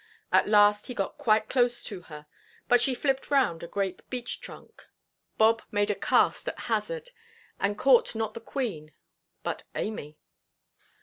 At last he got quite close to her, but she flipped round a great beech–trunk; Bob made a cast at hazard, and caught not the Queen, but Amy.